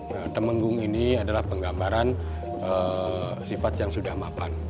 nah temenggung ini adalah penggambaran sifat yang sudah mapan